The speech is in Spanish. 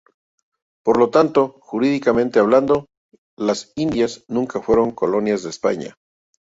Por tanto, jurídicamente hablando, las Indias nunca fueron colonias de España.